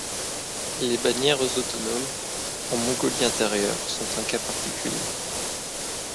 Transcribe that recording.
Les bannières autonomes, en Mongolie-Intérieure, sont un cas particulier.